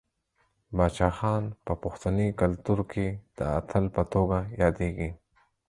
باچا خان په پښتني کلتور کې د اتل په توګه یادیږي.